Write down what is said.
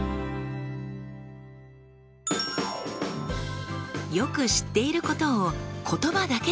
よく知っていることを言葉だけで説明してみましょう。